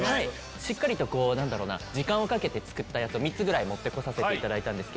しっかりと時間をかけて作ったやつを３つぐらい持って来させていただいたんです。